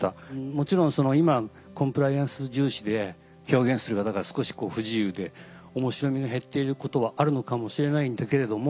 もちろん今コンプライアンス重視で表現する方が少し不自由で面白みが減っていることはあるのかもしれないんだけれども。